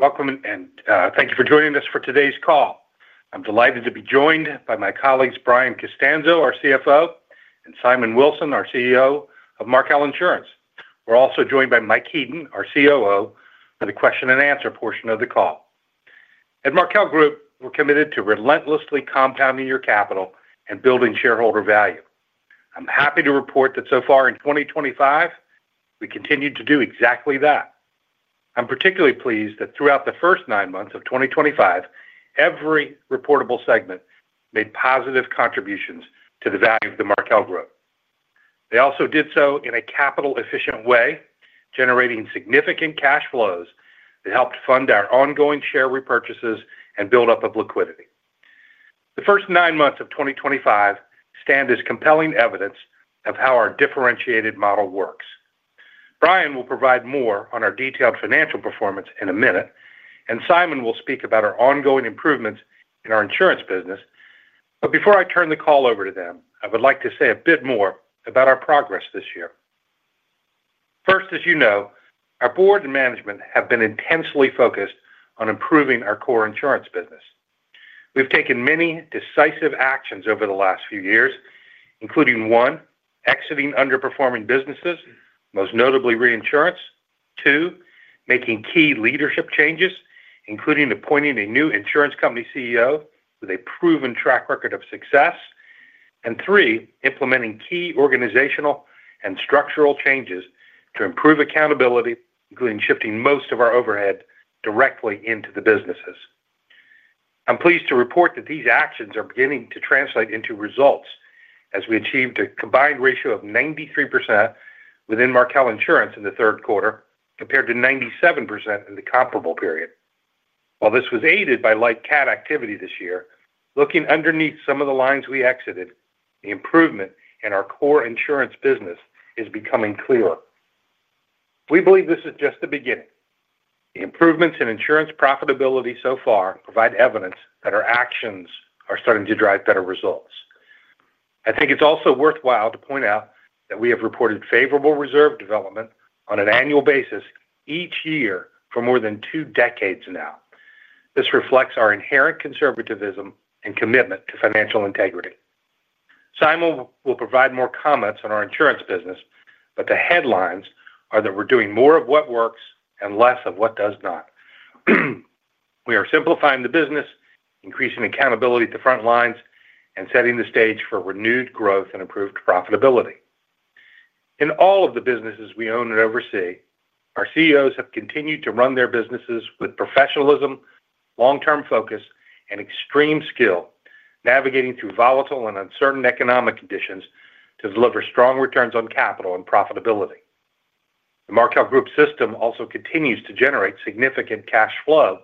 Welcome and thank you for joining us for today's call. I'm delighted to be joined by my colleagues Brian Costanzo, our CFO, and Simon Wilson, our CEO of Markel Insurance. We're also joined by Mike Heaton, our COO, for the question-and-answer portion of the call. At Markel Group, we're committed to relentlessly compounding your capital and building shareholder value. I'm happy to report that so far in 2025, we continued to do exactly that. I'm particularly pleased that throughout the first nine months of 2025, every reportable segment made positive contributions to the value of the Markel Group. They also did so in a capital efficient way, generating significant cash flows that helped fund our ongoing share repurchases and buildup of liquidity. The first nine months of 2025 stand as compelling evidence of how our differentiated model works. Brian will provide more on our detailed financial performance in a minute, and Simon will speak about our ongoing improvements in our insurance business. Before I turn the call over to them, I would like to say a bit more about our progress this year. First, as you know, our Board and management have been intensely focused on improving our core insurance business. We've taken many decisive actions over the last few years, including one exiting underperforming businesses, most notably reinsurance, two making key leadership changes, including appointing a new insurance company CEO with a proven track record of success, and three implementing key organizational and structural changes to improve accountability, including shifting most of our overhead directly into the businesses. I'm pleased to report that these actions are beginning to translate into results as we achieved a combined ratio of 93% within Markel Insurance in the third quarter, compared to 97% in the comparable period. While this was aided by light cat this year, looking underneath some of the lines we exited, the improvement in our core insurance business is becoming clearer. We believe this is just the beginning. The improvements in insurance profitability so far provide evidence that our actions are starting to drive better results. I think it's also worthwhile to point out that we have reported favorable reserve development on an annual basis each year for more than two decades now. This reflects our inherent conservatism and commitment to financial integrity. Simon will provide more comments on our insurance business, but the headlines are that we're doing more of what works and less of what does not. We are simplifying the business, increasing accountability at the front lines, and setting the stage for renewed growth and improved profitability in all of the businesses we own and oversee. Our CEOs have continued to run their businesses with professionalism, long-term focus, and extreme skill navigating through volatile and uncertain economic conditions to deliver strong returns on capital and profitability. The Markel Group system also continues to generate significant cash flow,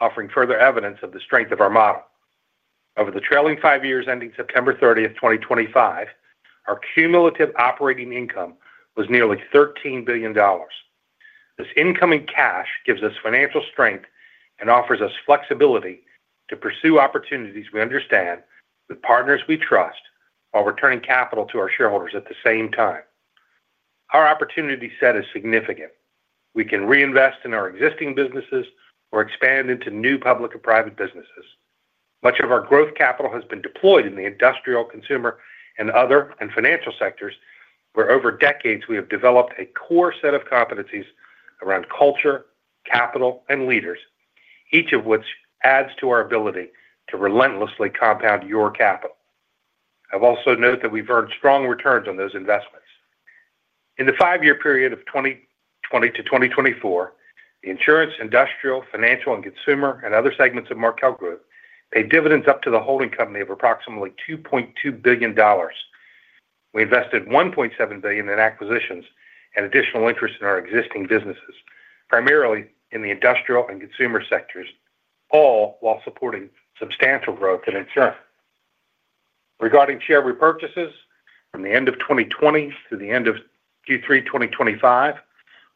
offering further evidence of the strength of our model. Over the trailing five years ending September 30, 2025, our cumulative operating income was nearly $13 billion. This incoming cash gives us financial strength and offers us flexibility to pursue opportunities we understand with partners we trust while returning capital to our shareholders at the same time. Our opportunity set is significant. We can reinvest in our existing businesses or expand into new public and private businesses. Much of our growth capital has been deployed in the industrial, consumer and other, and financial sectors where over decades we have developed a core set of competencies around culture, capital, and leaders, each of which adds to our ability to relentlessly compound your capital. I've also noted that we've earned strong returns on those investments. In the five-year period of 2020-2024, the Insurance, Industrial, Financial, and Consumer and Other segments of Markel Group paid dividends up to the holding company of approximately $2.2 billion. We invested $1.7 billion in acquisitions and additional interest in our existing businesses, primarily in the Industrial and Consumer sectors, all while supporting substantial growth in insurance. Regarding share repurchases, from the end of 2020 through the end of Q3 2025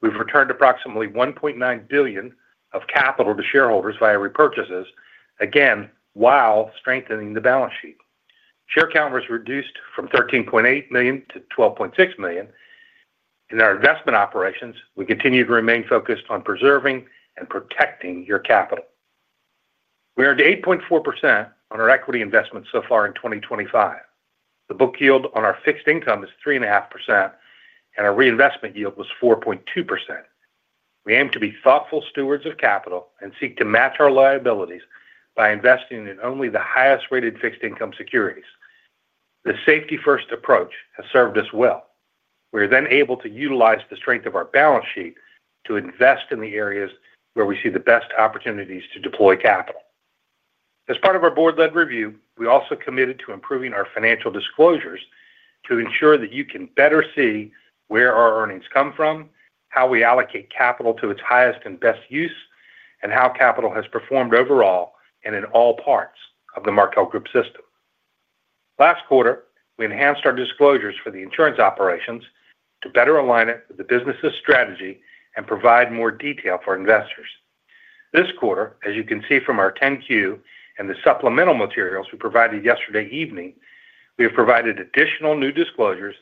we've returned approximately $1.9 billion of capital to shareholders via repurchases, again while strengthening the balance sheet. Share count was reduced from 13.8 million to 12.6 million. In our investment operations, we continue to remain focused on preserving and protecting your capital. We earned 8.4% on our equity investment so far in 2025. The book yield on our fixed income is 3.5% and our reinvestment yield was 4.2%. We aim to be thoughtful stewards of capital and seek to match our liabilities by investing in only the highest rated fixed income securities. The safety first approach has served us well. We are then able to utilize the strength of our balance sheet to invest in the areas where we see the best opportunities to deploy capital. As part of our Board-led review, we also committed to improving our financial disclosures to ensure that you can better see where our earnings come from, how we allocate capital to its highest and best use, and how capital has performed overall and in all parts of the Markel Group system. Last quarter, we enhanced our disclosures for the insurance operations to better align it with the business's strategy and provide more detail for investors. This quarter, as you can see from our 10-Q and the supplemental materials we provided yesterday evening, we have provided additional new disclosures,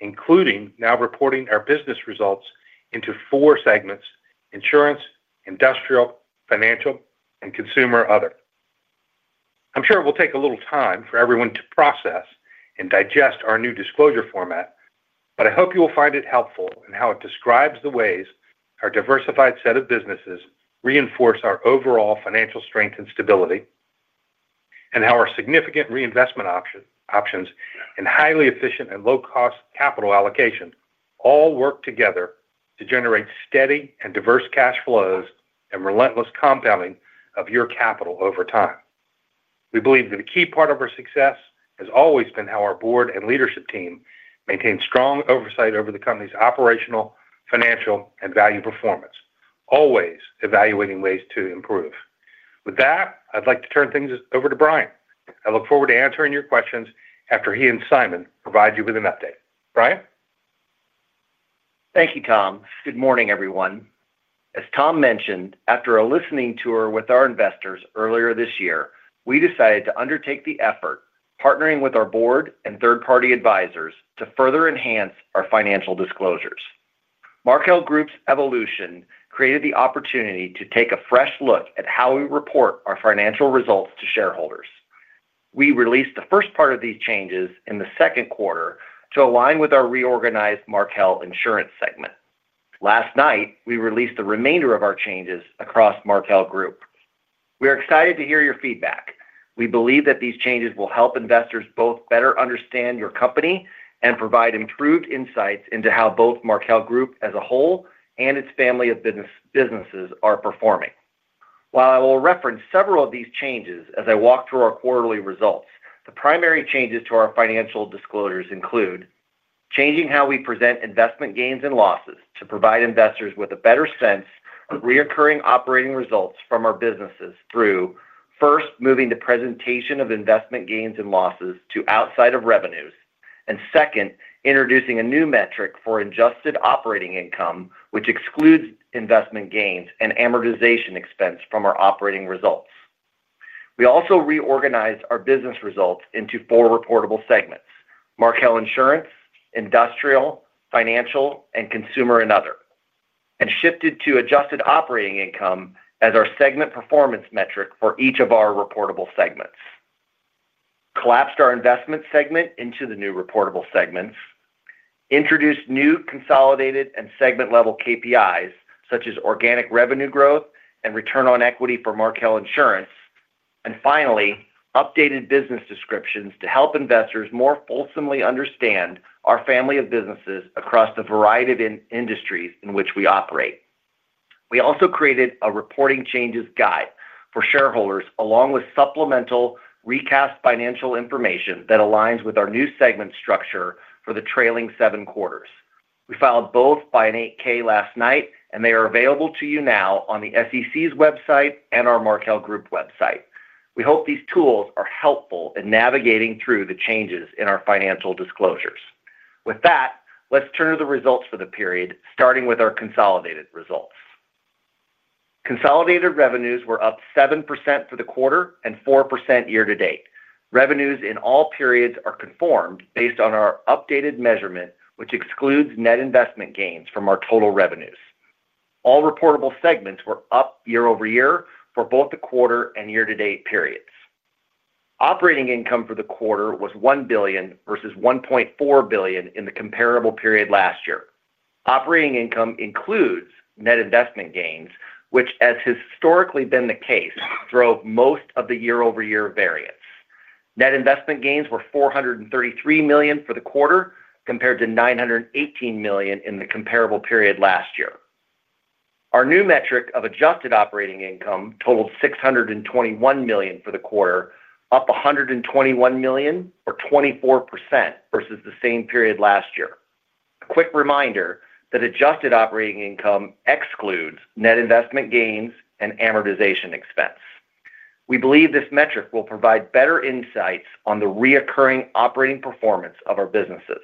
including now reporting our business results into four segments: Insurance, Industrial, Financial, and Consumer and Other. I'm sure it will take a little time for everyone to process and digest our new disclosure format, but I hope you will find it helpful in how it describes the ways our diversified set of businesses reinforce our overall financial strength and stability and how our significant reinvestment options and highly efficient and low cost capital allocation all work together to generate steady and diverse cash flows and relentless compounding of your capital over time. We believe that a key part of our success has always been how our Board and leadership team maintain strong oversight over the company's operational, financial, and value performance, always evaluating ways to improve. With that, I'd like to turn things over to Brian. I look forward to answering your questions after he and Simon provide you with an update. Brian. Thank you. Tom, good morning everyone. As Tom mentioned, after a listening tour with our investors earlier this year, we decided to undertake the effort, partnering with our Board and third-party advisers to further enhance our financial disclosures. Markel Group's evolution created the opportunity to take a fresh look at how we report our financial results to shareholders. We released the first part of these changes in the second quarter to align with our reorganized Markel Insurance segment. Last night, we released the remainder of our changes across Markel Group. We are excited to hear your feedback. We believe that these changes will help investors both better understand your company and provide improved insights into how both Markel Group as a whole and its family of businesses are performing. While I will reference several of these changes as I walk through our quarterly results, the primary changes to our financial disclosures include changing how we present investment gains and losses to provide investors with a better sense of recurring operating results from our businesses through, first, moving the presentation of investment gains and losses to outside of revenues and, second, introducing a new metric for adjusted operating income which excludes investment gains and amortization expense from our operating results. We also reorganized our business results into four reportable segments: Markel Insurance, Industrial, Financial, and Consumer and Other, and shifted to adjusted operating income as our segment performance metric for each of our reportable segments, collapsed our investment segment into the new reportable segments, introduced new consolidated and segment level KPIs such as organic revenue growth and return on equity for Markel Insurance, and finally updated business descriptions to help investors more fully understand our family of businesses across the variety of industries in which we operate. We also created a reporting changes guide for shareholders along with supplemental recast financial information that aligns with our new segment structure for the trailing seven quarters. We filed both by an 8-K last night and they are available to you now on the SEC's website and our Markel Group website. We hope these tools are helpful in navigating through the changes in our financial disclosures. With that, let's turn to the results for the period starting with our consolidated results. Consolidated revenues were up 7% for the quarter and 4% year to date. Revenues in all periods are conformed based on our updated measurement, which excludes net investment gains from our total revenues. All reportable segments were up year-over-year for both the quarter and year to date periods. Operating income for the quarter was $1 billion versus $1.4 billion in the comparable period last year. Operating income includes net investment gains, which, as has historically been the case, drove most of the year-over-year variance. Net investment gains were $433 million for the quarter compared to $918 million in the comparable period last year. Our new metric of adjusted operating income totaled $621 million for the quarter, up $121 million or 24% versus the same period last year. A quick reminder that adjusted operating income excludes net investment gains and amortization expense. We believe this metric will provide better insights on the recurring operating performance of our businesses.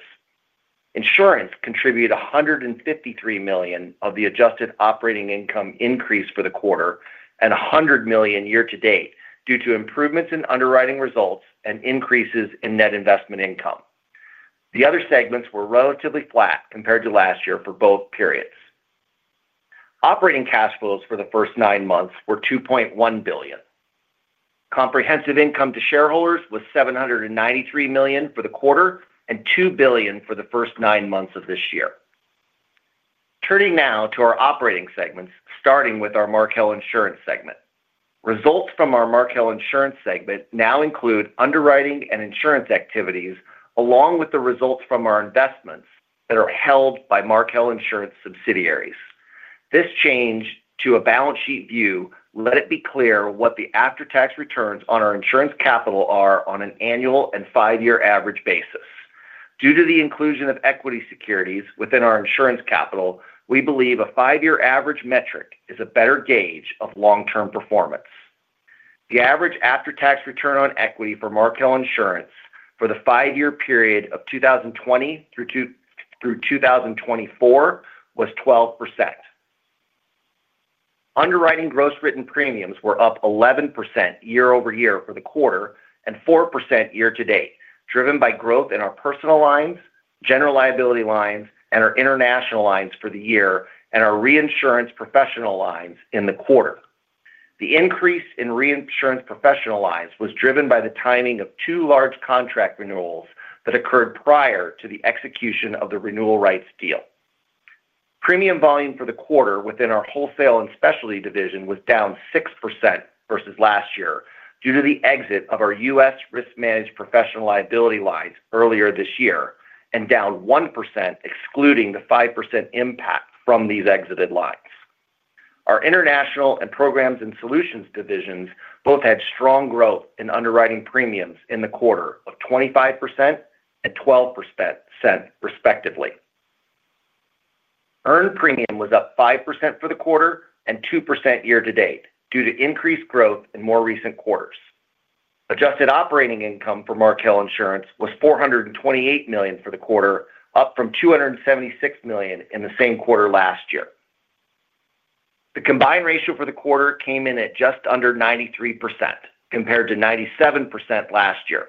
Insurance contributed $153 million of the adjusted operating income increase for the quarter and $100 million year to date due to improvements in underwriting results and increases in net investment income. The other segments were relatively flat compared to last year for both periods. Operating cash flows for the first nine months were $2.1 billion. Comprehensive income to shareholders was $793 million for the quarter and $2 billion for the first nine months of this year. Turning now to our operating segments, starting with our Markel Insurance segment. Results from our Markel Insurance segment now include underwriting and insurance activities along with the results from our investments that are held by Markel Insurance subsidiaries. This change to a balance sheet view lets it be clear what the after-tax returns on our insurance capital are on an annual and five-year average basis. Due to the inclusion of equity securities within our insurance capital, we believe a five-year average metric is a better gauge of long-term performance. The average after-tax return on equity for Markel Insurance for the five-year period of 2020 through 2024 was 12%. Underwriting gross written premiums were up 11% year-over-year for the quarter and 4% year to date, driven by growth in our personal lines, general liability lines, and our international lines for the year and our reinsurance professional lines in the quarter. The increase in reinsurance professional lines was driven by the timing of two large contract renewals that occurred prior to the execution of the renewal rights deal. Premium volume for the quarter within our Wholesale and Specialty division was down 6% versus last year due to the exit of our U.S. risk managed professional liability lines earlier this year and down 1% excluding the 5% impact from these exited lines. Our International and Programs and Solutions divisions both had strong growth in underwriting premiums in the quarter of 25% and 12% respectively. Earned premium was up 5% for the quarter and 2% year to date due to increased growth in more recent quarters. Adjusted operating income for Markel Insurance was $428 million for the quarter, up from $276 million in the same quarter last year. The combined ratio for the quarter came in at just under 93% compared to 97% last year.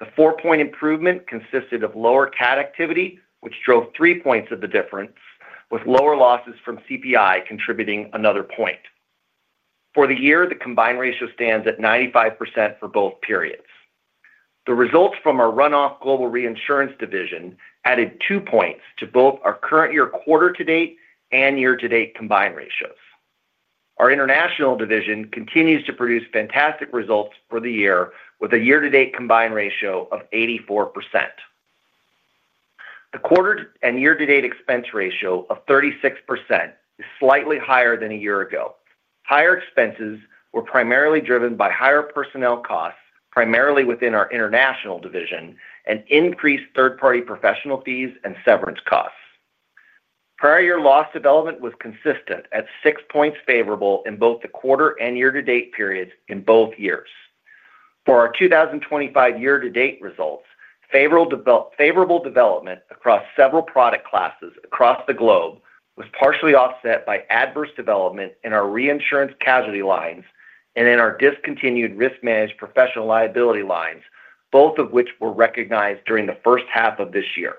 The four point improvement consisted of lower cat activity, which drove three points of the difference, with lower losses from CPI contributing another point. For the year, the combined ratio stands at 95% for both periods. The results from our runoff Global Reinsurance division added two points to both our current year, quarter to date and year to date combined ratios. Our International division continues to produce fantastic results for the year with a year to date combined ratio of 84%. The quarter and year to date expense ratio of 36% is slightly higher than a year ago. Higher expenses were primarily driven by higher personnel costs, primarily within our International division, and increased third-party professional fees and severance costs. Prior year loss development was consistent at six points favorable in both the quarter and year to date periods in both years. For our 2025 year to date results, favorable development across several product classes across the globe was partially offset by adverse development in our reinsurance casualty lines and in our discontinued risk managed professional liability lines, both of which were recognized during the first half of this year.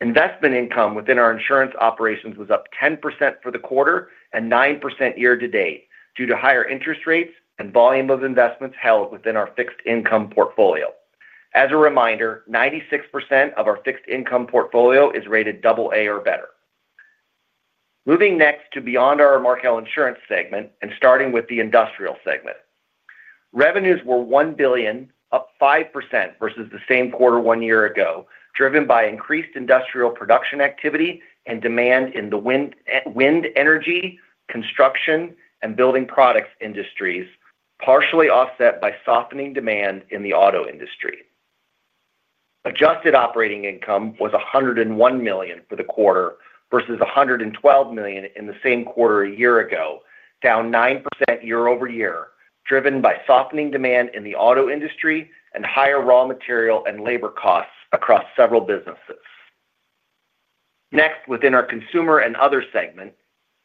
Investment income within our insurance operations was up 10% for the quarter and 9% year to date due to higher interest rates and volume of investments held within our fixed income portfolio. As a reminder, 96% of our fixed income portfolio is rated AA or better. Moving next to beyond our Markel Insurance segment and starting with the Industrial segment, revenues were $1 billion, up 5% versus the same quarter one year ago, driven by increased industrial production activity and demand in the wind energy, construction, and building products industries, partially offset by softening demand in the auto industry. Adjusted operating income was $101 million for the quarter versus $112 million in the same quarter a year ago, down 9% year-over-year, driven by softening demand in the auto industry and higher raw material and labor costs across several businesses. Next, within our Consumer and Other segment,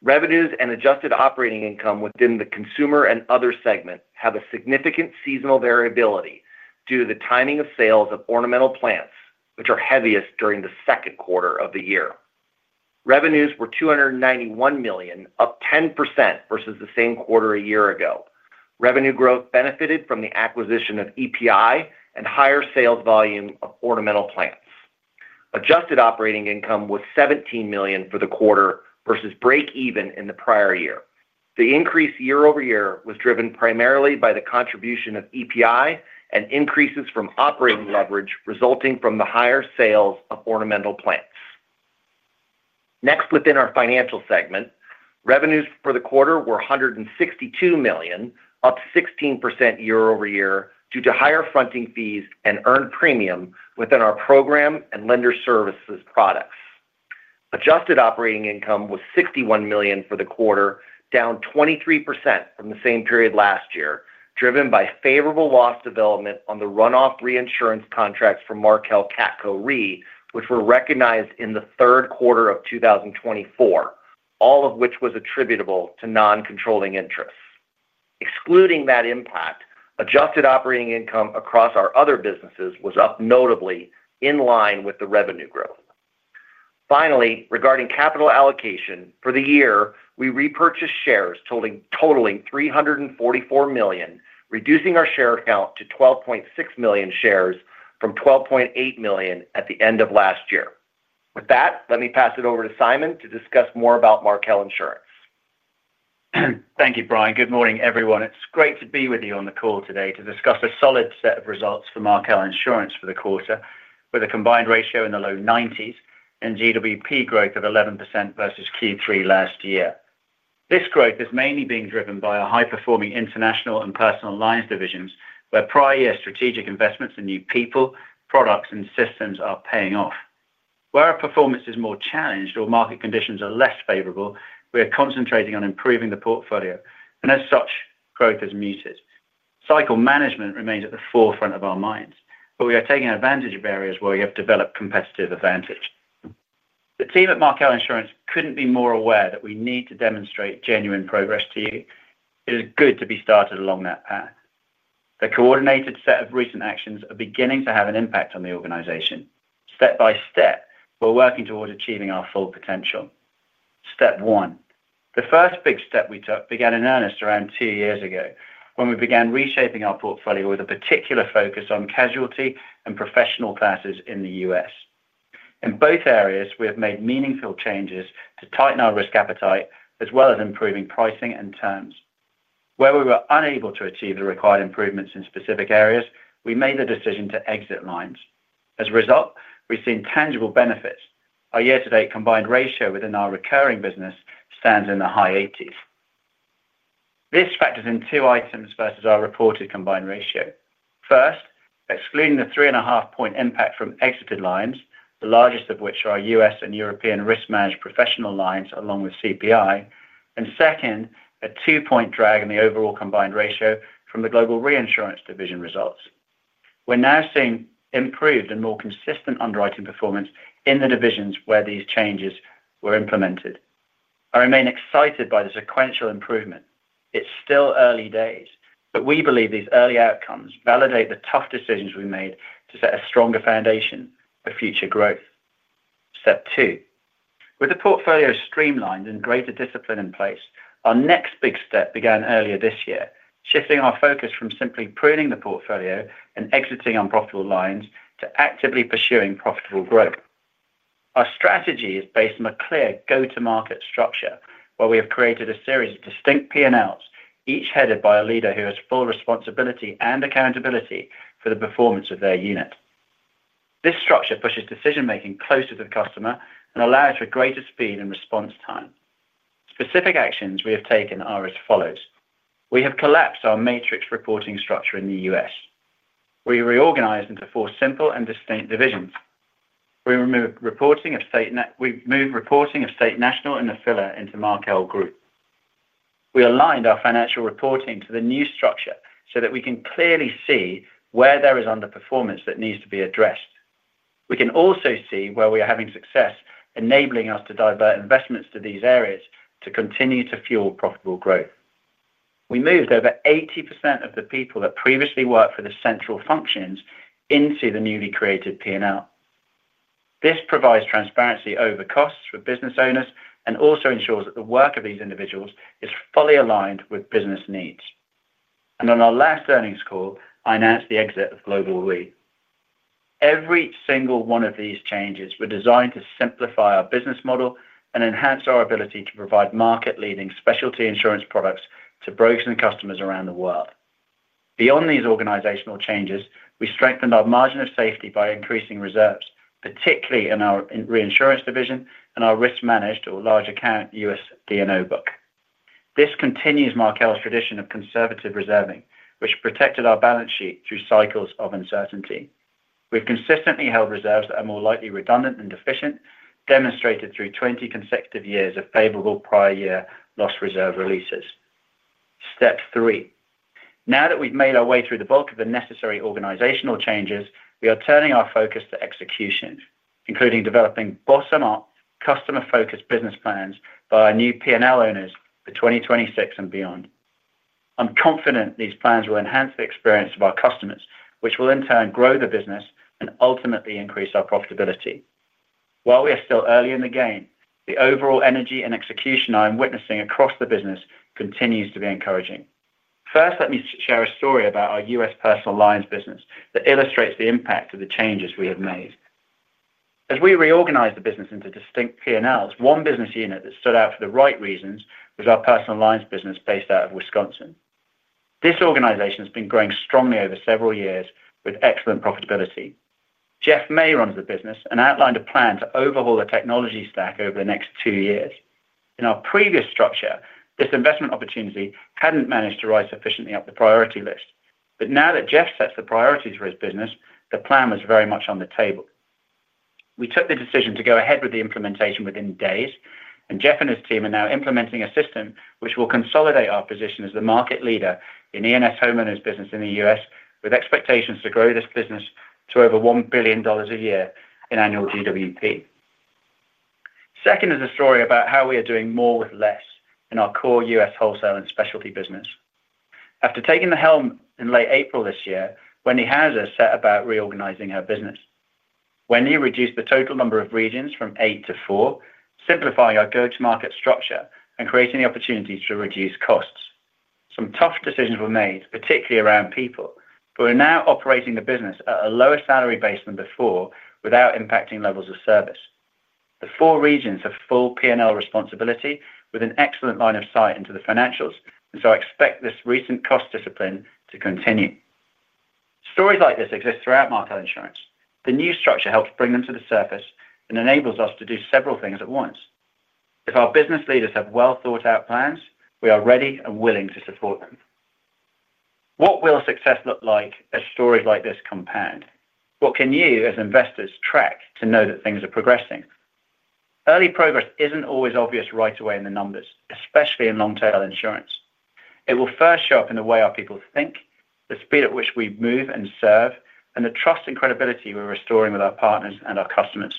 revenues and adjusted operating income within the Consumer and Other segments have significant seasonal variability due to the timing of sales of ornamental plants, which are heaviest during the second quarter of the year. Revenues were $291 million, up 10% versus the same quarter a year ago. Revenue growth benefited from the acquisition of EPI and higher sales volume of ornamental plants. Adjusted operating income was $17 million for the quarter versus break even in the prior year. The increase year-over-year was driven primarily by the contribution of EPI and increases from operating leverage resulting from the higher sales of ornamental plants. Next, within our Financial segment, revenues for the quarter were $162 million, up 16% year-over-year due to higher fronting fees and earned premium within our program and lender services products. Adjusted operating income was $61 million for the quarter, down 23% from the same period last year, driven by favorable loss development on the runoff reinsurance contracts from Markel CATCo Re, which were recognized in the third quarter of 2024, all of which was attributable to non-controlling interests. Excluding that impact, adjusted operating income across our other businesses was up notably in line with the revenue growth. Finally, regarding capital allocation for the year, we repurchased shares totaling $344 million, reducing our share count to 12.6 million shares from 12.8 million at the end of last year. With that, let me pass it over to Simon to discuss more about Markel Insurance. Thank you, Brian. Good morning, everyone. It's great to be with you on the call today to discuss a solid set of results for Markel Insurance for the quarter, with a combined ratio in the low 90s and GWP growth of 11% versus Q3 last year. This growth is mainly being driven by high-performing International and personal lines divisions where prior year strategic investments in new people, products, and systems are paying off. Where our performance is more challenged or market conditions are less favorable, we are concentrating on improving the portfolio, and as such, growth has muted. Cycle management remains at the forefront of our minds. We are taking advantage of areas where we have developed competitive advantage. The team at Markel Insurance couldn't be more aware that we need to demonstrate genuine progress to you. It is good to be started along that path. The coordinated set of recent actions are beginning to have an impact on the organization. Step by step, we're working towards achieving our full potential. Step one, the first big step we took began in earnest around two years ago when we began reshaping our portfolio with a particular focus on casualty and professional classes in the U.S. In both areas, we have made meaningful changes to tighten our risk appetite as well as improving pricing and terms. Where we were unable to achieve the required improvements in specific areas, we made the decision to exit lines. As a result, we've seen tangible benefits. Our year-to-date combined ratio within our recurring business stands in the high 80s. This factors in two items versus our reported combined ratio. First, excluding the 3.5 point impact from exited lines, the largest of which are U.S. and European risk managed professional lines along with CPI, and second, a two point drag in the overall combined ratio from the Global Reinsurance division results. We're now seeing improved and more consistent underwriting performance in the divisions where these changes were implemented. I remain excited by the sequential improvement. It's still early days, but we believe these early outcomes validate the tough decisions we made to set a stronger foundation for future growth. Step two, with the portfolio streamlined and greater discipline in place, our next big step began earlier this year, shifting our focus from simply pruning the portfolio and exiting unprofitable lines to actively pursuing profitable growth. Our strategy is based on a clear go-to-market structure where we have created a series of distinct P&Ls, each headed by a leader who has full responsibility and accountability for the performance of their unit. This structure pushes decision-making closer to the customer and allows for greater speed and response time. Specific actions we have taken are as follows. We have collapsed our matrix reporting structure in the U.S. We reorganized into four simple and distinct divisions. We moved reporting of State National and Nephila into Markel Group. We aligned our financial reporting to the new structure so that we can clearly see where there is underperformance that needs to be addressed. We can also see where we are having success, enabling us to divert investments to these areas to continue to fuel profitable growth. We moved over 80% of the people that previously worked for the central functions into the newly created P&L. This provides transparency over costs for business owners and also ensures that the work of these individuals is fully aligned with business needs. On our last earnings call, I announced the exit of Global Re. Every single one of these changes was designed to simplify our business model and enhance our ability to provide market-leading specialty insurance products to brokers and customers around the world. Beyond these organizational changes, we strengthened our margin of safety by increasing reserves, particularly in our Reinsurance division and our risk-managed or large account U.S. D&O book. This continues Markel Group's tradition of conservative reserving, which protected our balance sheet through cycles of uncertainty. We've consistently held reserves that are more likely redundant than deficient, demonstrated through 20 consecutive years of favorable prior year loss reserve releases. Step three. Now that we've made our way through the bulk of the necessary organizational changes, we are turning our focus to execution, including developing bottom-up customer-focused business plans by our new P&L owners for 2026 and beyond. I'm confident these plans will enhance the experience of our customers, which will in turn grow the business and ultimately increase our profitability. While we are still early in the game, the overall energy and execution I am witnessing across the business continues to be encouraging. First, let me share a story about our U.S. personal lines business that illustrates the impact of the changes we have made. As we reorganized the business into distinct P&Ls, one business unit that stood out for the right reasons was our personal lines business based out of Wisconsin. This organization has been growing strongly over several years with excellent profitability. Jeff May runs the business and outlined a plan to overhaul the technology stack over the next two years. In our previous structure, this investment opportunity hadn't managed to rise sufficiently up the priority list, but now that Jeff sets the priorities for his business, the plan was very much on the table. We took the decision to go ahead with the implementation within days, and Jeff and his team are now implementing a system which will consolidate our position as the market leader in E&S homeowners business in the U.S. with expectations to grow this business to over $1 billion a year in annual GWP. Second is a story about how we are doing more with less in our core U.S. Wholesale and Specialty business. After taking the helm in late April this year, Wendy Houser set about reorganizing her business. Wendy reduced the total number of regions from eight to four, simplifying our go-to-market structure and creating the opportunity to reduce costs. Some tough decisions were made, particularly around people, but we're now operating the business at a lower salary base than before without impacting levels of service. The four regions have full P&L responsibility with an excellent line of sight into the financials, and so I expect this recent cost discipline to continue. Stories like this exist throughout Markel Insurance. The new structure helps bring them to the surface and enables us to do several things at once. If our business leaders have well-thought-out plans, we are ready and willing to support them. What will success look like as stories like this compound? What can you as investors track to know that things are progressing? Early progress isn't always obvious right away in the numbers, especially in long tail insurance. It will first show up in the way our people think, the speed at which we move and serve, and the trust and credibility we're restoring with our partners and our customers.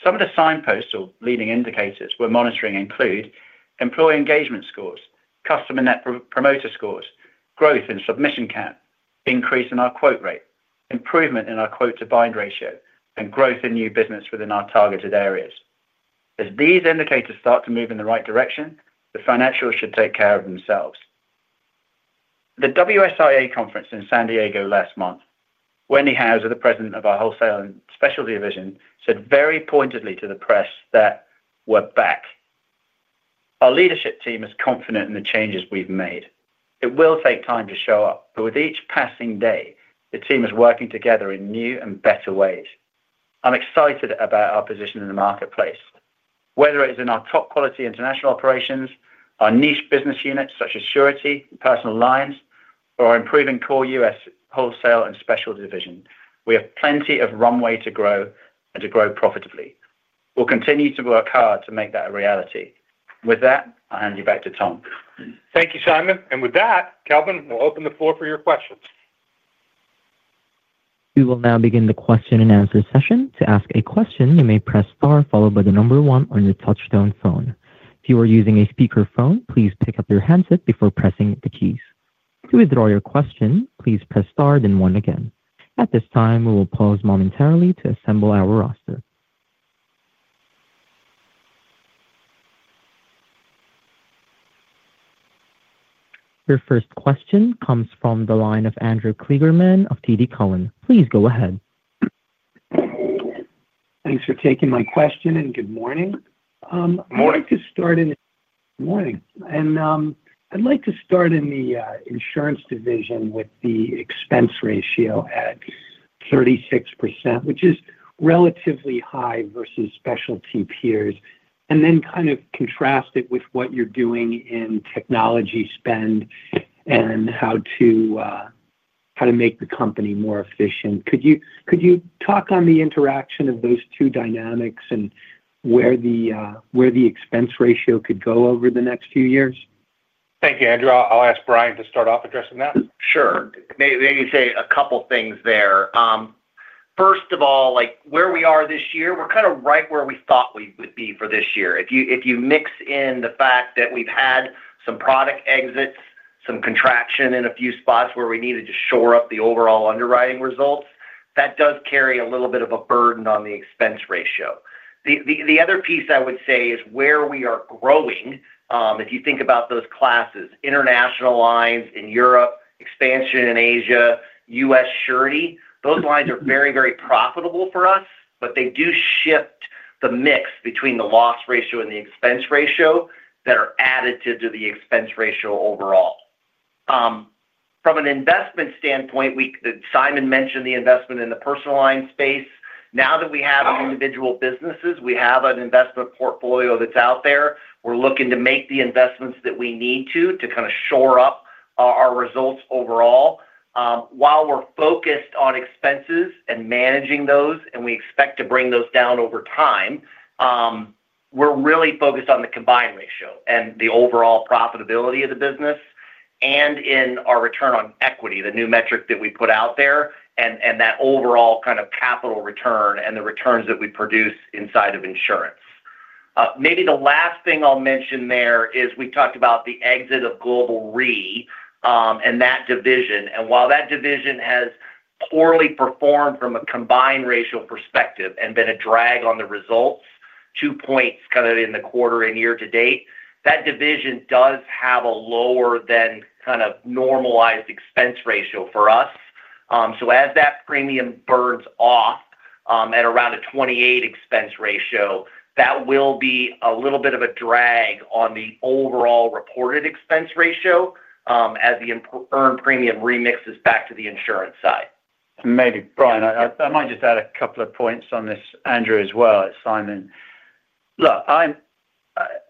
Some of the signposts or leading indicators we're monitoring include employee engagement scores, customer Net Promoter Scores, growth in submission count, increase in our quote rate, improvement in our quote to bind ratio, and growth in new business within our targeted areas. As these indicators start to move in the right direction, the financials should take care of themselves. The WSIA conference in San Diego last month, Wendy Houser, the President of our Wholesale and Specialty division, said very pointedly to the press that we're back. Our leadership team is confident in the changes we've made. It will take time to show up, but with each passing day, the team is working together in new and better ways. I'm excited about our position in the marketplace. Whether it is in our top quality international operations, our niche business units such as Surety and personal lines, or our improving core U.S. Wholesale and Specialty division, we have plenty of runway to grow and to grow profitably. We'll continue to work hard to make that a reality. With that, I'll hand you back to Tom. Thank you, Simon. With that, Kelvin, we'll open the floor for your questions. We will now begin the question-and-answer session. To ask a question, you may press star followed by the number one on your touchtone phone. If you are using a speaker phone, please pick up your handset before pressing the keys. To withdraw your question, please press star, then one again. At this time, we will pause momentarily to assemble our roster. Your first question comes from the line of Andrew Kligerman of TD Cowen. Please go ahead. Thanks for taking my question and good morning. I'd like to start in the Insurance division with the expense ratio at 36%, which is relatively high versus specialty peers, and then contrast it with what you're doing in technology spend and how to make the company more efficient. Could you talk on the interaction of those two dynamics and where the expense ratio could go over the next few years? Thank you, Andrew. I'll ask Brian to start off addressing that. Sure. Maybe say a couple things there. First of all, like where we are this year. We're kind of right where we thought we would be for this year. If you mix in the fact that we've had some product exits, some contraction in a few spots where we needed to shore up the overall underwriting results, that does carry a little bit of a burden on the expense ratio. The other piece I would say is where we are growing. If you think about those classes, international lines in Europe, expansion in Asia, U.S. Surety, those lines are very, very profitable for us. They do shift the mix between the loss ratio and the expense ratio that are additive to the expense ratio overall from an investment standpoint. Simon mentioned the investment in the personal lines space. Now that we have individual businesses, we have an investment portfolio that's out there. We're looking to make the investments that we need to to kind of shore up our results overall. While we're focused on expenses and managing those and we expect to bring those down over time, we're really focused on the combined ratio and the overall profitability of the business and in our return on equity. The new metric that we put out there and that overall kind of capital return and the returns that we produce inside of insurance. Maybe the last thing I'll mention there is we talked about the exit of Global Re and that division. While that division has poorly performed from a combined ratio perspective and been a drag on the results, two points kind of in the quarter and year to date, that division does have a lower than kind of normalized expense ratio for us. As that premium burns off at around a 28% expense ratio, that will be a little bit of a drag on the overall reported expense ratio as the earned premium remix is back to the Insurance side. Brian, I might just add a couple of points on this. Andrew as well. It's Simon. Look, I'm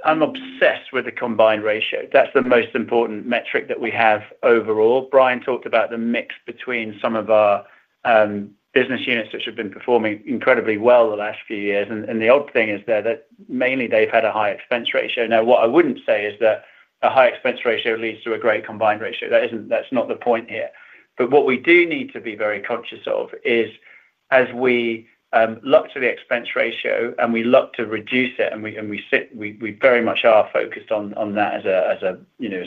obsessed with the combined ratio. That's the most important metric that we have overall. Brian talked about the mix between some of our business units which have been performing incredibly well the last few years. The odd thing is that mainly they've had a high expense ratio. Now what I wouldn't say is that a high expense ratio leads to a great combined ratio. That's not the point here. What we do need to be very conscious of is as we look to the expense ratio and we look to reduce it, and we very much are focused on that as a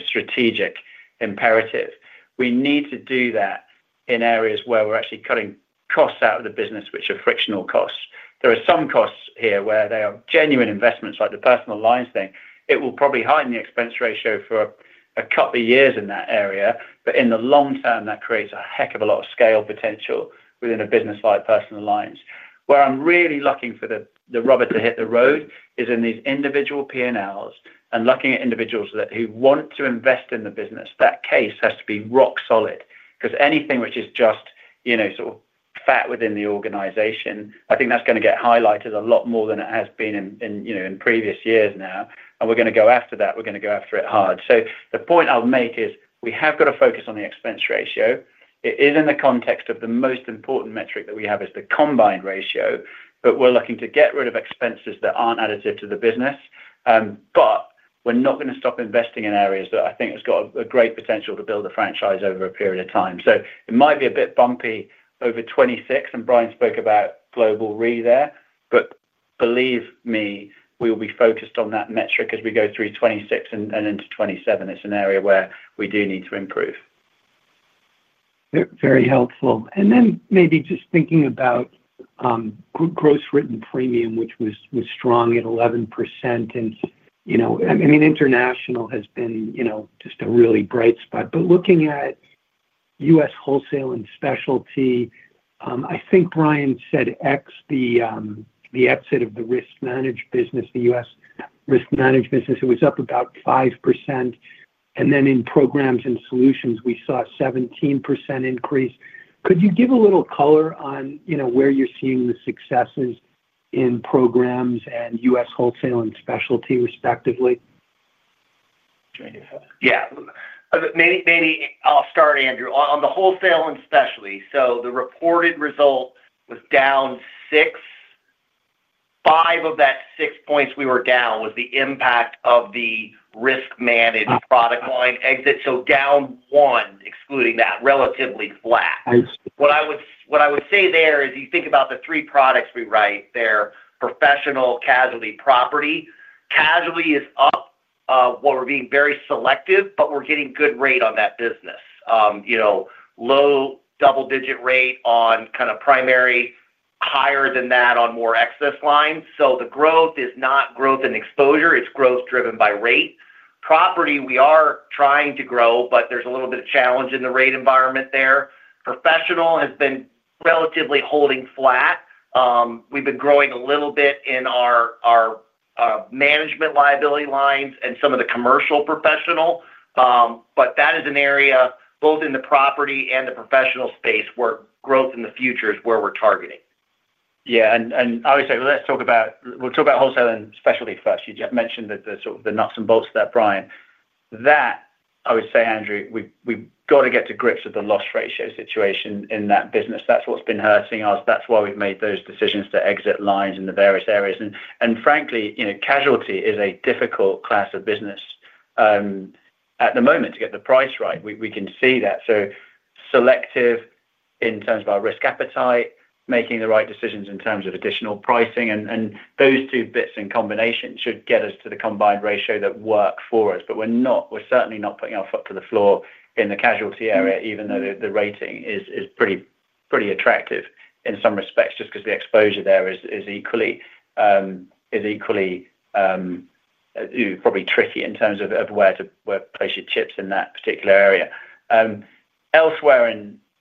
strategic imperative, we need to do that in areas where we're actually cutting costs out of the business, which are frictional costs. There are some costs here where they are genuine investments like the personal lines thing. It will probably heighten the expense ratio for a couple of years in that area. In the long-term that creates a heck of a lot of scale potential within a business like personal lines. Where I'm really looking for the rubber to hit the road is in these individual P&Ls and looking at individuals that want to invest in the business. That case has to be rock solid because anything which is just, you know, sort of fat within the organization, I think that's going to get highlighted a lot more than it has been in previous years now. We're going to go after that. We're going to go after it hard. The point I'll make is we have got to focus on the expense ratio. It is in the context of the most important metric that we have, which is the combined ratio. We're looking to get rid of expenses that aren't additive to the business. We're not going to stop investing in areas that I think have got great potential to build a franchise over a period of time. It might be a bit bumpy over 2026. Brian spoke about Global Re there, but believe me we will be focused on that metric as we go through 2026 and into 2027. It's an area where we do need to improve. Very helpful. Maybe just thinking about gross written premium which was strong at 11%, and International has been just a really bright spot. Looking at U.S. Wholesale and Specialty, I think Brian said ex the exit of the risk managed business, the U.S. risk managed business was up about 5%, and then in Programs and Solutions we saw a 17% increase. Could you give a little color on, you know where you're seeing the successes in Programs and U.S. Wholesale and Specialty respectively? Yeah, maybe I'll start, Andrew, on the Wholesale and Specialty. The reported result was down six, five of that six points we were down was the impact of the risk managed product line exit. Down one excluding that, relatively flat. What I would say there is you think about the three products we write, they're professional, casualty, property. Casualty is up while we're being very selective, but we're getting good rate on that business, you know, low double-digit rate on kind of primary, higher than that on more excess lines. The growth is not growth in exposure, it's growth driven by rate. Property, we are trying to grow, but there's a little bit of challenge in the rate environment there. Professional has been relatively holding flat. We've been growing a little bit in our management liability lines and some of the commercial professional, but that is an area both in the property and the professional space where growth in the future is where we're targeting. Yeah, I would say let's talk about Wholesale and Specialty first. You mentioned the sort of nuts and bolts of that. Brian, I would say, Andrew, we've got to get to grips with the loss ratio situation in that business. That's what's been hurting us. That's why we've made those decisions to exit lines in the various areas. Frankly, casualty is a difficult class of business at the moment to get the price right. We can see that, so selective in terms of our risk appetite, making the right decisions in terms of additional pricing, and those two bits in combination should get us to the combined ratio that works for us. We're not, we're certainly not putting our foot to the floor in the casualty area. Even though the rating is pretty attractive in some respects, just because the exposure there is equally, is equally probably tricky in terms of where to place your chips in that particular area. Elsewhere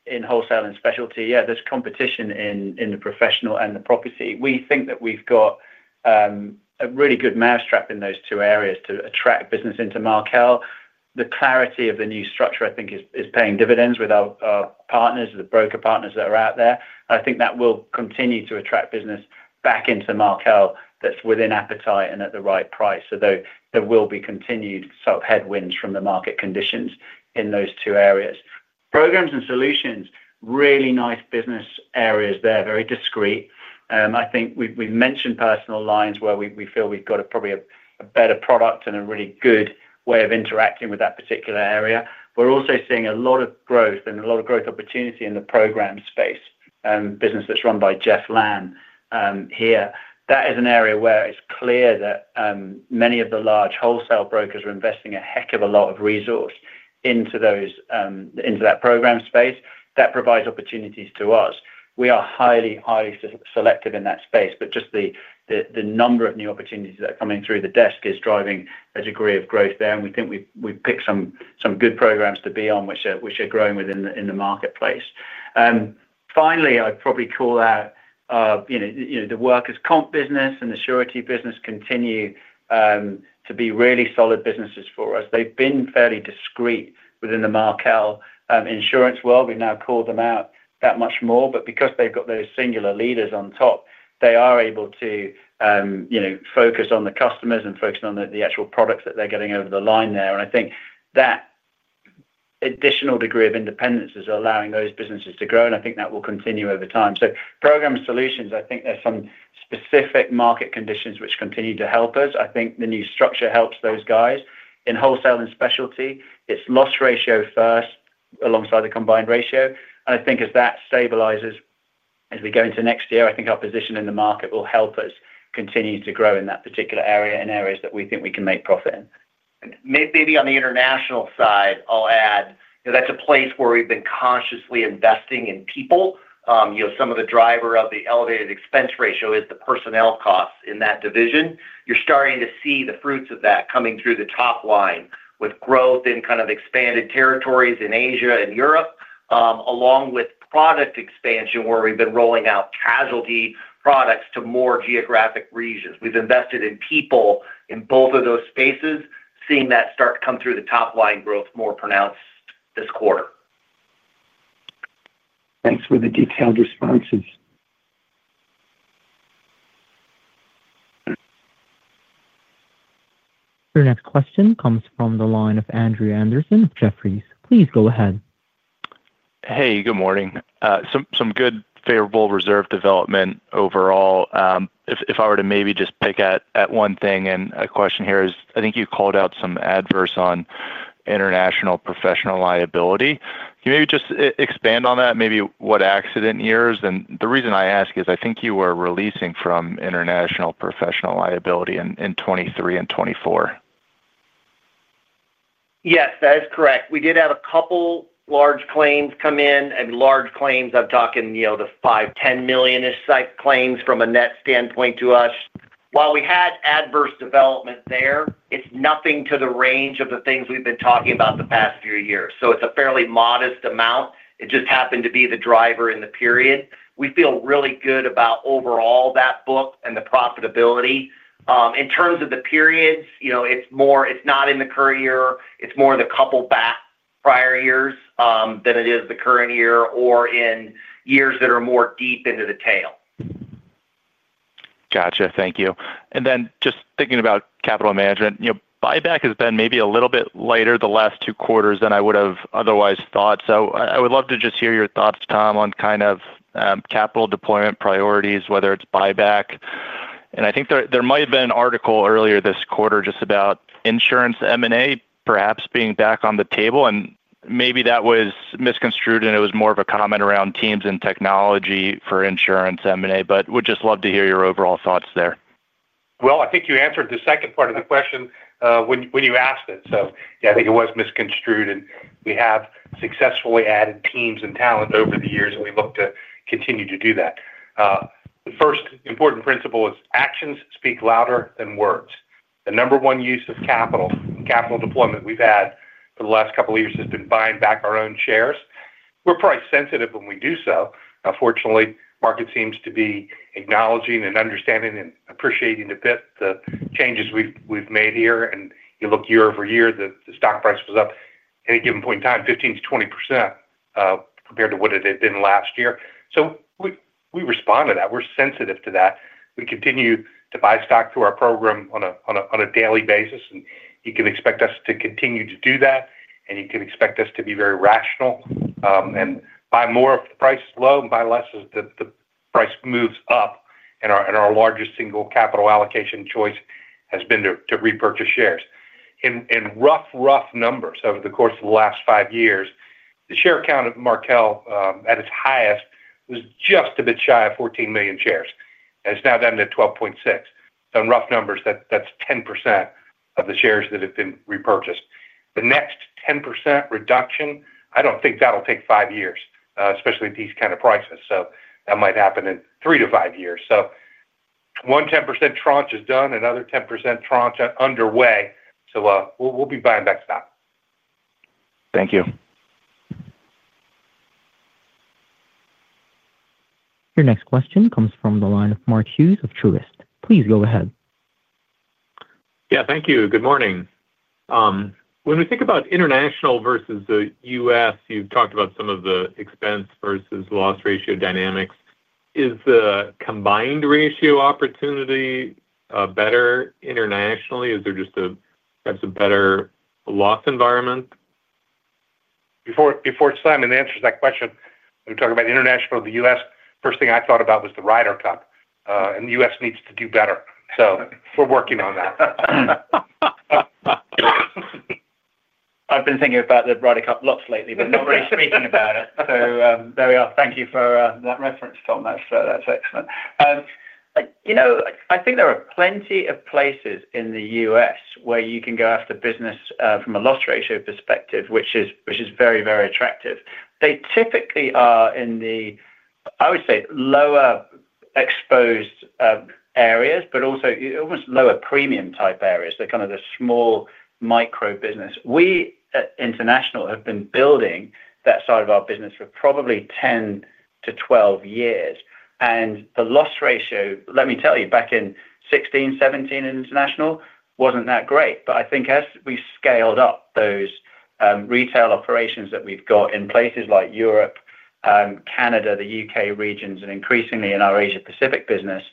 in Wholesale and Specialty, there's competition in the professional and the property. We think that we've got a really good mousetrap in those two areas to attract business into Markel. The clarity of the new structure, I think, is paying dividends with our partners, the broker partners that are out there. I think that will continue to attract business back into Markel that's within appetite and at the right price. There will be continued headwinds from the market conditions in those two areas. Programs and Solutions, really nice business areas. They're very discreet. I think we've mentioned personal lines where we feel we've got probably a better product and a really good way of interacting with that particular area. We're also seeing a lot of growth and a lot of growth opportunity in the program space. Business that's run by Jeff Lam here. That is an area where it's clear that many of the large wholesale brokers are investing a heck of a lot of resource into that program space that provides opportunities to us. We are highly, highly selective in that space. Just the number of new opportunities that are coming through the desk is driving a degree of growth there. We think we've picked some good programs to be on which are growing within the marketplace. Finally, I'd probably call out the workers comp business and the Surety business continue to be really solid businesses for us. They've been fairly discreet within the Markel Insurance world. We've now called them out that much more. Because they've got those singular leaders on top, they are able to focus on the customers and focus on the actual products that they're getting over the line there. I think that additional degree of independence is allowing those businesses to grow, and I think that will continue over time. Programs and Solutions, I think there's some specific market conditions which continue to help us. I think the new structure helps those guys in Wholesale and Specialty. It's loss ratio first alongside the combined ratio. I think as that stabilizes as we go into next year, our position in the market will help us continue to grow in that particular area, in areas that we think we can make profit in. Maybe on the International side, I'll add that's a place where we've been consciously investing in people. Some of the driver of the elevated expense ratio is the personnel costs in that division. You're starting to see the fruits of that coming through the top line with growth in kind of expanded territories in Asia and Europe, along with product expansion where we've been rolling out casualty products to more geographic regions. We've invested in people in both of those spaces and seeing that start to come through the top line growth more pronounced this quarter. Thanks for the detailed responses. Your next question comes from the line of Andrew Andersen, Jefferies. Please go ahead. Hey, good morning. Some good favorable reserve development overall. If I were to maybe just pick at one thing, a question here is I think you called out some adverse on international professional liability. Can you maybe just expand on that, maybe what accident years? The reason I ask is I think you were releasing from international professional liability in 2023 and 2024. Yes, that is correct. We did have a couple large claims come in, and large claims I'm talking, you know, the $5 million, $10 million-ish claims from a net standpoint to us. While we had adverse development there, it's nothing to the range of the things we've been talking about the past few years. It's a fairly modest amount. It just happened to be the driver in the period. We feel really good about overall that book and the profitability. In terms of the periods, it's more, it's not in the current year. It's more the couple back prior years than it is the current year or in years that are more deep into the tail. Gotcha. Thank you. Just thinking about capital management, buyback has been maybe a little bit lighter the last two quarters than I would have otherwise thought. I would love to just hear your thoughts, Tom, on kind of capital deployment priorities, whether it's buyback, and I think there might have been an article earlier this quarter just about insurance M&A perhaps being back on the table. Maybe that was misconstrued and it was more of a comment around teams and technology for insurance M&A but would just love to hear your overall thoughts there. I think you answered the second part of the question when you asked it. I think it was misconstrued. We have successfully added teams and talent over the years and we look to continue to do that. The first important principle is actions speak louder than words. The number one use of capital, capital deployment we've had for the last couple years has been buying back our own shares. We're price sensitive when we do so. Fortunately, market seems to be acknowledging and understanding and appreciating a bit the changes we've made here. You look year-over-year, the stock price was up any given point in time, 15%-20% compared to what it had been last year. We respond to that, we're sensitive to that. We continue to buy stock through our program on a daily basis. You can expect us to continue to do that and you can expect us to be very rational and buy more if the price is low and buy less as the price moves up. Our largest single capital allocation choice has been to repurchase shares in rough, rough numbers over the course of the last five years. The share count of Markel at its highest was just a bit shy of 14 million shares and it's now down to 12.6 million. On rough numbers, that's 10% of the shares that have been repurchased. The next 10% reduction, I don't think that'll take five years, especially at these kind of prices. That might happen in three to five years. One 10% tranche is done, another 10% tranche underway, so we'll be buying back stock. Thank you. Your next question comes from the line of Mark Hughes of Truist. Please go ahead. Yeah, thank you. Good morning. When we think about International versus the U.S., you've talked about some of the expense versus loss ratio dynamics. Is the combined ratio opportunity better internationally? Is there just a, perhaps a better loss environment? Before Simon answers that question, we talk about International, the U.S., first thing I thought about was the Ryder Cup. The U.S. needs to do better, so we're working on that. I've been thinking about the Ryder Cup lots lately, but not really speaking about it. There we are. Thank you for that reference, Tom. That's excellent. I think there are plenty of places in the U.S. where you can go after business from a loss ratio perspective, which is very, very attractive. They typically are in the, I would say, lower exposed areas but also almost lower premium type areas. They're kind of the small micro business. We at International have been building that side of our business for probably 10-12 years, and the loss ratio, let me tell you, back in 2016, 2017 in International wasn't that great. I think as we scaled up those retail operations that we've got in places like Europe, Canada, the U.K. regions, and increasingly in our Asia-Pacific business,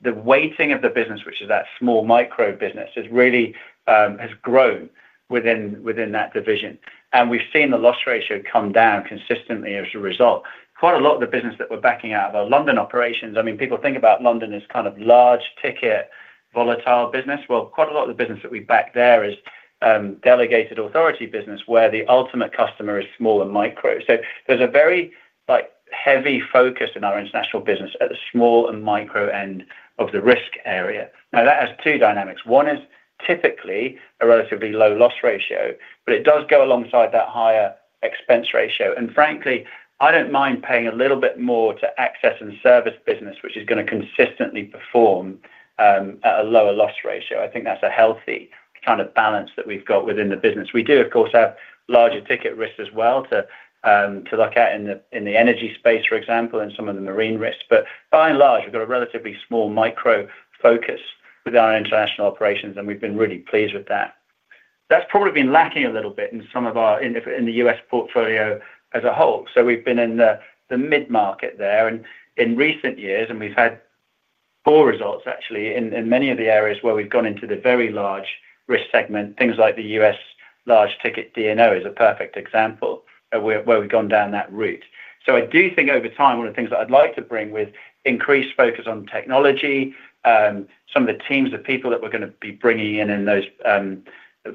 the weighting of the business, which is that small micro business, really has grown within that division, and we've seen the loss ratio come down consistently. As a result, quite a lot of the business that we're backing out of our London operations, I mean, people think about London as kind of large ticket volatile business. Quite a lot of the business that we back there is delegated authority business where the ultimate customer is small and micro. There's a very heavy focus in our International business at the small and micro end of the risk area. That has two dynamics. One is typically a relatively low loss ratio, but it does go alongside that higher expense ratio, and frankly, I don't mind paying a little bit more to access and service business which is going to consistently perform a lower loss ratio. I think that's a healthy kind of balance that we've got within the business. We do of course have larger ticket risks as well to look at in the energy space, for example, and some of the marine risks. By and large, we've got a relatively small micro focus with our International operations, and we've been really pleased with that. That's probably been lacking a little bit in some of our U.S. portfolio as a whole. We've been in the mid market there in recent years, and we've had poor results actually in many of the areas where we've gone into the very large risk segment. Things like the U.S. large ticket D&O is a perfect example where we've gone down that route. I do think over time one of the things that I'd like to bring with increased focus on technology, some of the teams of people that we're going to be bringing in in those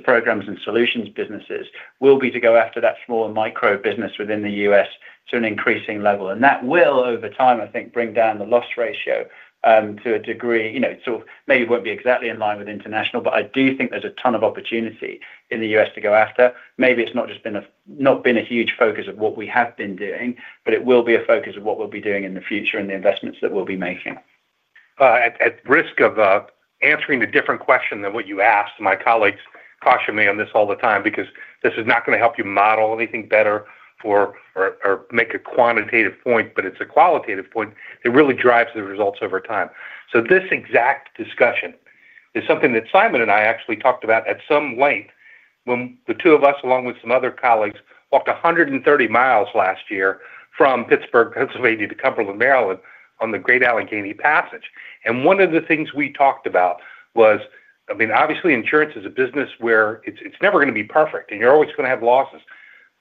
Programs and Solutions businesses will be to go after that smaller micro business within the U.S. to an increasing level, and that will over time, I think, bring down the loss ratio to a degree. It maybe won't be exactly in line with International, but I do think there's a ton of opportunity in the U.S. to go after. Maybe it's not just been a huge focus of what we have been doing, but it will be a focus of what we'll be doing in the future and the investments that we'll be making. At risk of answering a different question than what you asked, my colleagues caution me on this all the time because this is not going to help you model anything better or make a quantitative point, but it's a qualitative point that really drives the results over time. This exact discussion is something that Simon and I actually talked about at some length when the two of us, along with some other colleagues, walked 130 mi last year from Pittsburgh, Pennsylvania to Cumberland, Maryland on the Great Allegheny Passage. One of the things we talked about was, I mean, obviously insurance is a business where it's never going to be perfect and you're always going to have losses.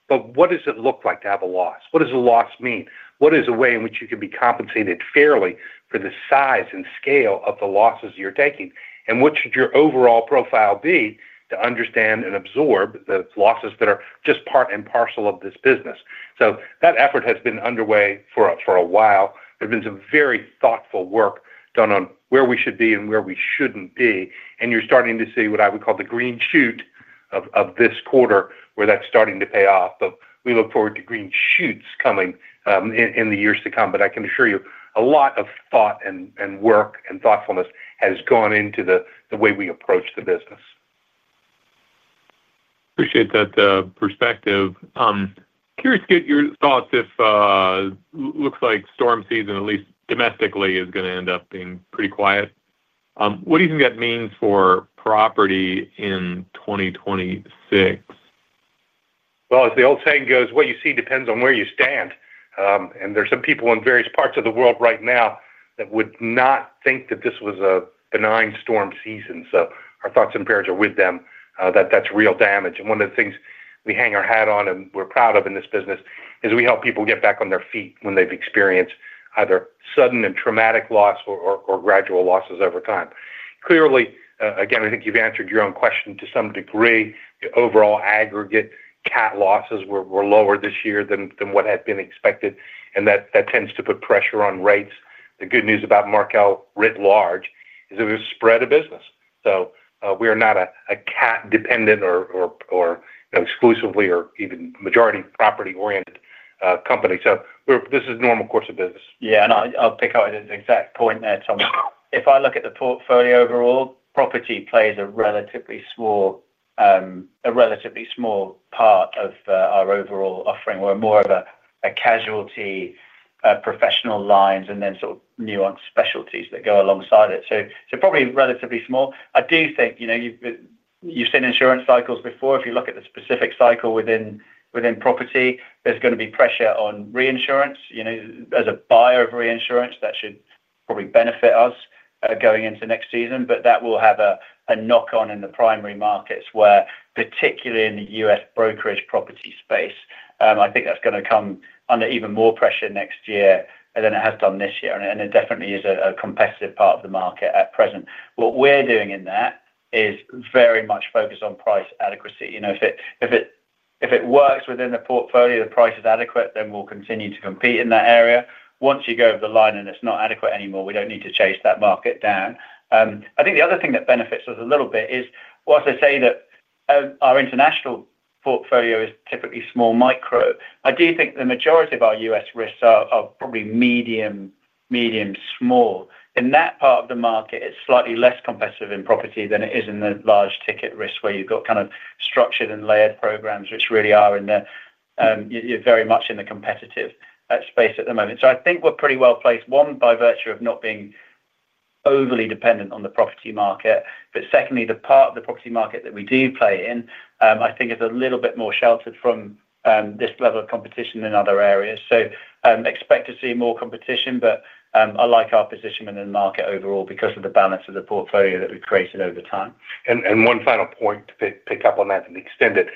What does it look like to have a loss? What does a loss mean? What is a way in which you can be compensated fairly for the size and scale of the losses you're taking? What should your overall profile be to understand and absorb the losses that are just part and parcel of this business? That effort has been underway for a while. There's been some very thoughtful work done on where we should be and where we shouldn't be. You're starting to see what I would call the green shoot of this quarter where that's starting to pay off. We look forward to green shoots coming in the years to come. I can assure you a lot of thought and work and thoughtfulness has gone into the way we approach the business. Appreciate that perspective. Curious to get your thoughts. It looks like storm season, at least domestically, is going to end up being pretty quiet. What do you think that means for property in 2026? As the old saying goes, what you see depends on where you stand. There are some people in various parts of the world right now that would not think that this was a benign storm season. Our thoughts and prayers are with them that that's real damage. One of the things we hang our hat on and we're proud of in this business is we help people get back on their feet when they've experienced either sudden and traumatic loss or gradual losses over time. Clearly, again, I think you've answered your own question to some degree. The overall aggregate cat losses were lower this year than what had been expected, and that tends to put pressure on rates. The good news about Markel writ large is that we have spread a business so we are not a cat dependent or exclusively or even majority property oriented company. This is normal course of business. Yeah, and I'll pick up the exact point there, Tom. If I look at the portfolio overall, property plays a relatively small, a relatively small part of our overall offering. We're more of a casualty professional lines and then sort of nuanced specialties that go alongside it, so probably relatively small. I do think you've seen insurance cycles before. If you look at the specific cycle within property, there's going to be pressure on reinsurance. As a buyer of reinsurance, that should probably benefit us going into next season. That will have a knock on in the primary markets where particularly in the U.S. brokerage property space, I think that's going to come under even more pressure next year than it has done this year, and it definitely is a competitive part of the market at present. What we're doing in that is very much focused on price adequacy. If it works within the portfolio, the price is adequate, then we'll continue to compete in that area. Once you go over the line and it's not adequate anymore, we don't need to chase that market down. I think the other thing that benefits us a little bit is whilst I say that our International portfolio is typically small micro, I do think the majority of our U.S. risks are probably medium small. In that part of the market, it's slightly less competitive in property than it is in the large ticket risk where you've got kind of structured and layered programs which really are very much in the competitive space at the moment. I think we're pretty well-placed, one by virtue of not being overly dependent on the property market, but secondly, the part of the property market that we do play in I think is a little bit more sheltered from this level of competition in other areas. Expect to see more competition, but I like our position in market overall because of the balance of the portfolio that we've created over time. One final point to pick up on that and extend it.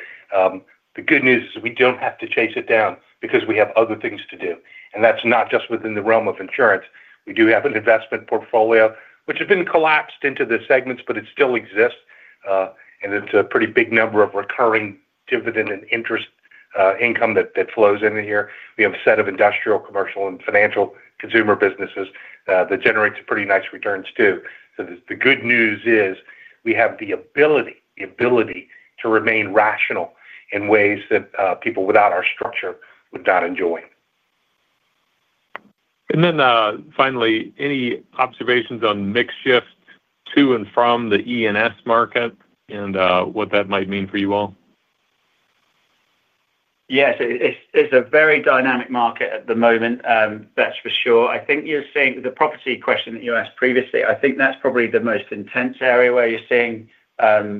The good news is we don't have to chase it down because we have other things to do and that's not just within the realm of insurance. We do have an investment portfolio which has been collapsed into the segments, but it still exists and it's a pretty big number of recurring dividend and interest income that flows in here. We have a set of industrial, Commercial, and financial consumer businesses that generates pretty nice returns too. The good news is we have the ability to remain rational in ways that people without our structure would not enjoy. Finally, any observations on mix shift to and from the E&S market and what that might mean for you all? Yes, it's a very dynamic market at the moment, that's for sure. I think you're seeing the property question that you asked previously. I think that's probably the most intense area where you're seeing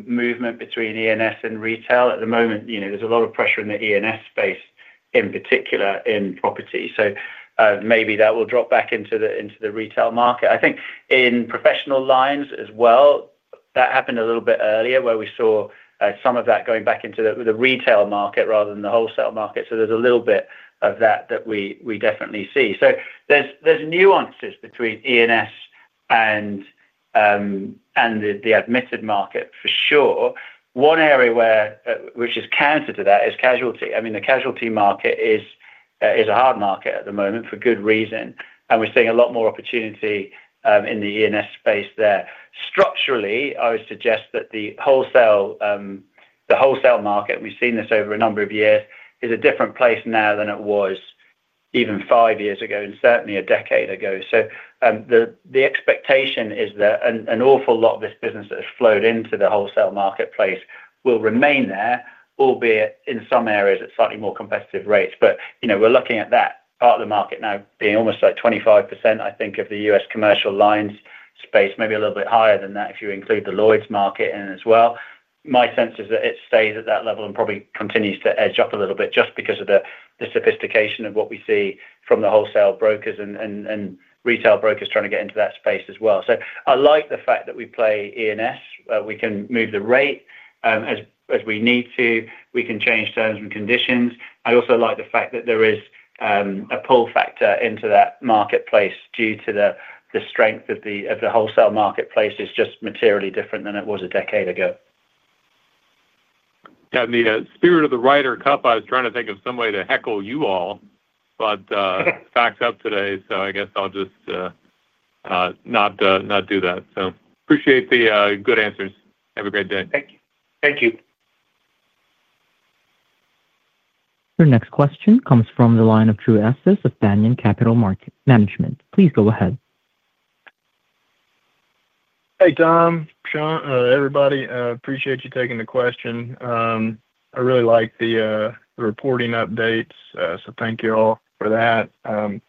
movement between E&S and retail at the moment. There's a lot of pressure in the E&S space, in particular in property, so maybe that will drop back into the retail market. I think in professional lines as well, that happened a little bit earlier where we saw some of that going back into the retail market rather than the wholesale market. There's a little bit of that that we definitely see. There's nuances between E&S and the admitted market for sure. One area which is counter to that is casualty. I mean, the casualty market is a hard market at the moment for good reason. We're seeing a lot more opportunity in the E&S space there. Structurally, I would suggest that the wholesale market, we've seen this over a number of years, is a different place now than it was even five years ago and certainly a decade ago. The expectation is that an awful lot of this business that has flowed into the wholesale marketplace will remain there, albeit in some areas at slightly more competitive rates. We're looking at that part of the market now being almost like 25% of the U.S. commercial lines space, maybe a little bit higher than that if you include the Lloyd's market as well. My sense is that it stays at that level and probably continues to edge up a little bit just because of the sophistication of what we see from the wholesale brokers and retail brokers trying to get into that space as well. I like the fact that we play E&S, we can move the rate as we need to, we can change terms and conditions. I also like the fact that there is a pull factor into that marketplace due to the strength of the wholesale marketplace. It is just materially different than it was a decade ago. In the spirit of the Ryder Cup, I was trying to think of some way to heckle you all, but back's up today, so I guess I'll just not do that. Appreciate the good answers. Have a great day. Thank you. Thank you. Your next question comes from the line of Drew Estes of Banyan Capital Management. Please go ahead. Hey, Tom, everybody. Appreciate you taking the question. I really like the reporting updates. Thank you all for that. I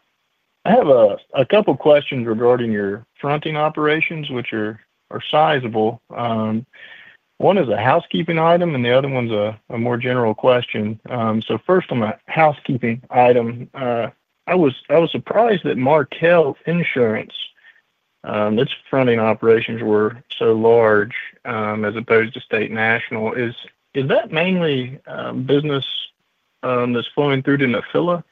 have a couple questions regarding your fronting operations, which are sizable. One is a housekeeping item and the other one's a more general question. First on the housekeeping item, I was surprised that Markel Insurance, its fronting operations were so large as opposed to State National. Is that mainly business that's flowing through to Nephila?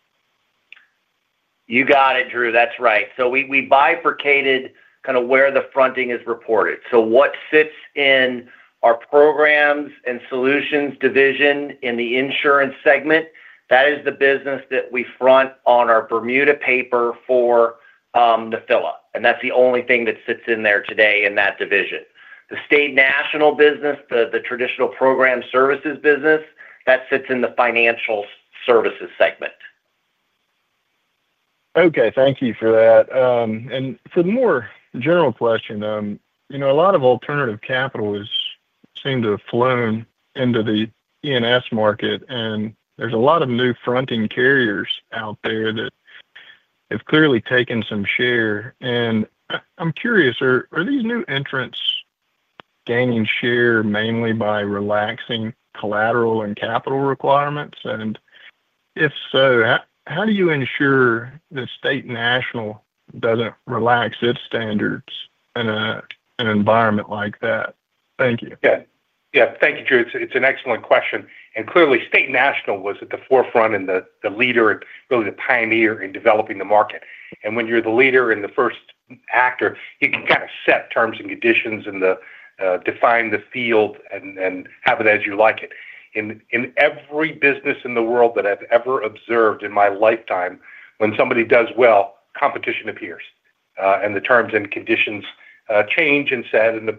You got it, Drew. That's right. We bifurcated kind of where the fronting is reported. What fits in our Programs and Solutions division in the Insurance segment, that is the business that we front on our Bermuda paper for Nephila. That's the only thing that sits in there today in that division. The State National business, the traditional program services business, sits in the Financial Services segment. Okay, thank you for that and for the more general question. You know, a lot of alternative capital is, seem to have flown into the E&S market and there's a lot of new fronting carriers out there that have clearly taken some share. I'm curious, are these new entrants gaining share mainly by relaxing collateral and capital requirements? If so, how do you ensure that State National doesn't relax its standards in an environment like that? Thank you. Yeah, thank you, Drew. It's an excellent question. Clearly, State National was at the forefront and the leader, really the pioneer in developing the market. When you're the leader and the first actor, you kind of set terms and conditions and define the field and have it as you like it. In every business in the world that I've ever observed in my lifetime, when somebody does well, competition appears and the terms and conditions change and set and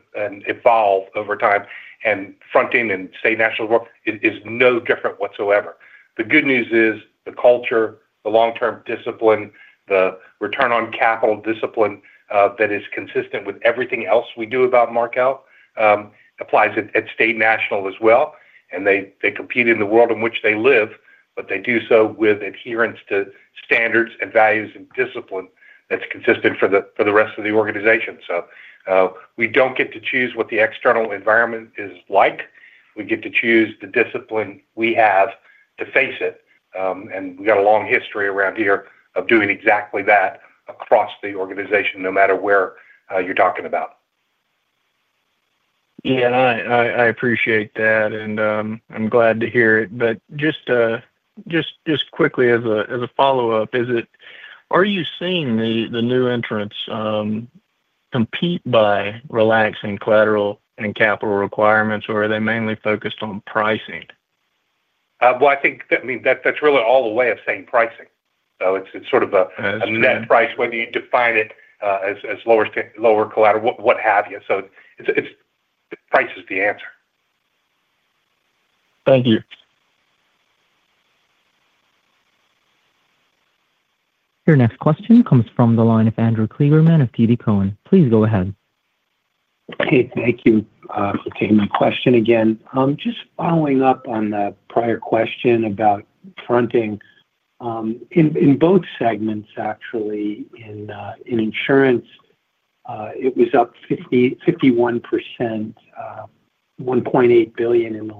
evolve over time. And fronting and State National is no different whatsoever. The good news is the culture, the long-term discipline, the return on capital discipline that is consistent with everything else we do at Markel, applies at State National as well. They compete in the world in which they live, but they do so with adherence to standards and values and discipline that's consistent for the rest of the organization. We don't get to choose what the external environment is like. We get to choose the discipline. We have to face it. We've got a long history around here of doing exactly that across the organization, no matter where you're talking about. Yeah, I appreciate that and I'm glad to hear it. Just quickly, as a follow up, are you seeing the new entrants compete by relaxing collateral and capital requirements or are they mainly focused on pricing? I think that's really all a way of saying pricing. It's sort of a net price, whether you define it as lower collateral, what have you. Price is the answer. Thank you. Your next question comes from the line of Andrew Kligerman of TD Cowen. Please go ahead. Thank you for taking my question again. Just following up on the prior question about fronting in both segments. Actually, in Insurance, it was up 51%, $1.8 billion in the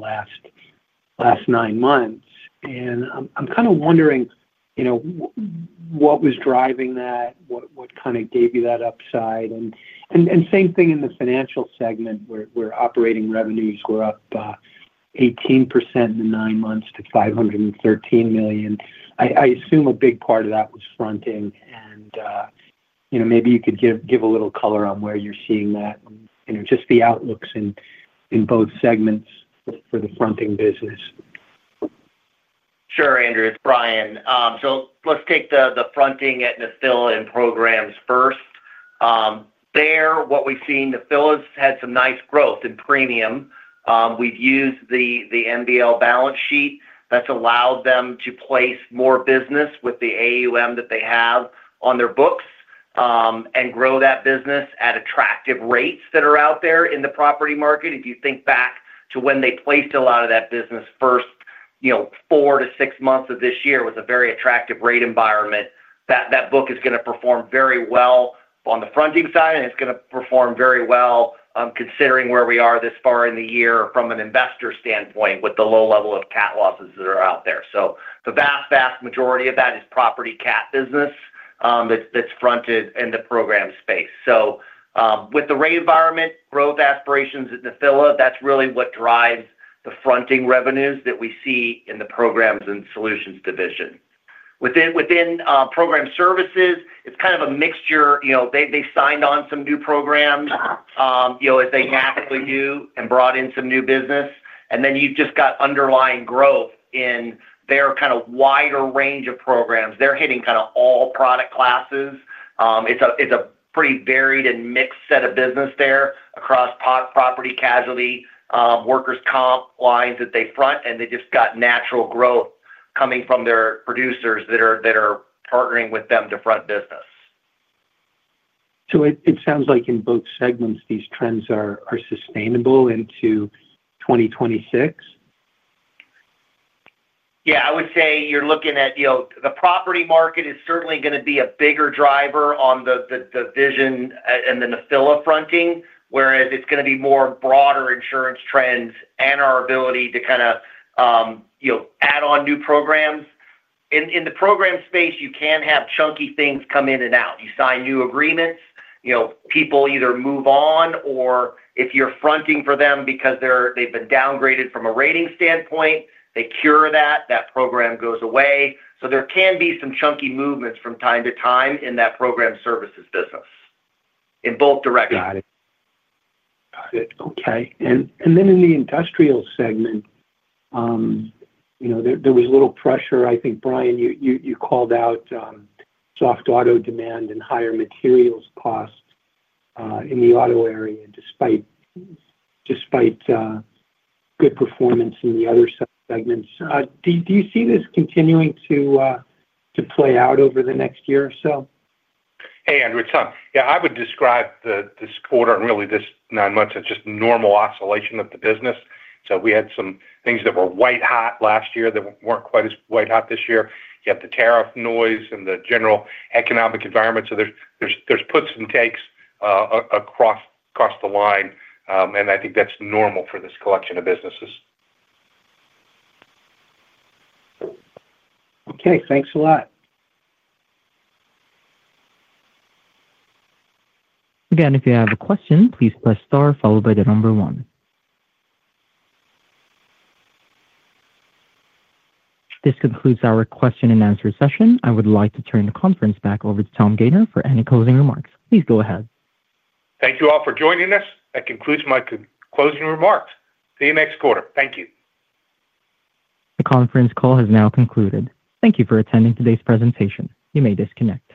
last nine months. I'm kind of wondering what was driving that, what kind of gave you that upside. The same thing in the Financial segment, where operating revenues were up 18% in nine months to $513 million. I assume a big part of that was fronting. Maybe you could give a little color on where you're seeing that. You know, just the outlooks in both segments for the fronting business. Sure. Andrew, it's Brian. Let's take the fronting at Nephila and programs first there. What we've seen, Nephila has had some nice growth in premium. We've used the MBL balance sheet that's allowed them to place more business with the AUM that they have on their books and grow that business at attractive rates that are out there in the property market. If you think back to when they placed a lot of that business first, four to six months of this year was a very attractive rate environment. That book is going to perform very well on the fronting side, and it's going to perform very well considering where we are this far in the year from an investor standpoint with the low level of cat losses that are out there. The vast, vast majority of that is property cat business that's fronted in the program space. With the rate environment, growth aspirations at Nephila, that's really what drives the fronting revenues that we see in the Programs and Solutions division within program services. It's kind of a mixture. They signed on some new programs, as they naturally do, and brought in some new business, and then you've just got underlying growth in their kind of wider range of programs. They're hitting kind of all product classes. It's a pretty varied and mixed set of business there across property, casualty, workers' comp lines that they front, and they just got natural growth coming from their producers that are partnering with them to front business. It sounds like in both segments these trends are sustainable into 2026. Yeah, I would say you're looking at, you know, the property market is certainly going to be a bigger driver on the vision and the Nephila fronting, whereas it's going to be more broader insurance trends and our ability to kind of, you know, add on new programs. In the program space, you can have chunky things come in and out. You sign new agreements, people either move on or if you're fronting for them because they've been downgraded from a rating standpoint, they cure that, that program goes away. There can be some chunky movements from time to time in that program services business in both directions. Got it, got it. Okay. In the Industrial segment, you know, there was a little pressure, I think. Brian, you called out soft auto demand and higher materials costs in the auto area despite good performance in the other segments. Do you see this continuing to play out over the next year or so? Hey, Andrew, it's Tom. I would describe this quarter and really this nine months as just normal oscillation of the business. We had some things that were white hot last year that weren't quite as white hot this year. You have the tariff noise and the general economic environment. There are puts and takes across the line and I think that's normal for this collection of businesses. Okay, thanks a lot. Again, if you have a question, please press star followed by the number one. This concludes our question-and-answer session. I would like to turn the conference back over to Tom Gayner for any closing remarks. Please go ahead. Thank you all for joining us. That concludes my closing remarks. See you next quarter. Thank you. The conference call has now concluded. Thank you for attending today's presentation. You may disconnect.